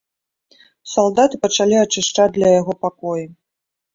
Салдаты пачалі ачышчаць для яго пакоі.